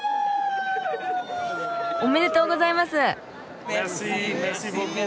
おめでとうございます。